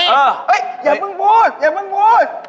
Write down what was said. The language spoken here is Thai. เฮ่ยอย่าเพิ่งบวชอย่าเพิ่งบวช